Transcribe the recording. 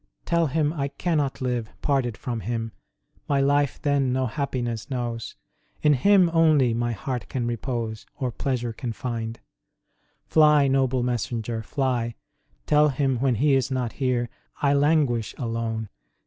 Tell Him I cannot live Parted from Him ; My life then no happiness knows : In Him only my heart can repose, Or pleasure can find. Fly, noble messenger, fly ! Tell Him when He is not here I languish alone.